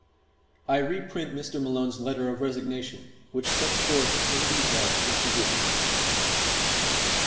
I reprint Mr. Malone's letter of resignation which sets forth in detail his position.